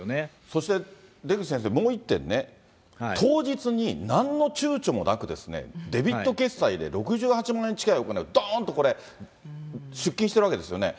そして、出口先生、もう１点ね、当日になんのちゅうちょもなくですね、デビット決済で、６８万円近いお金をどーんと、これ、出金してるわけですよね。